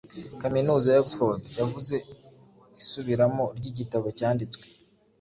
kaminuza ya Oxford yavuze Isubiramo ryigitabo cyanditswe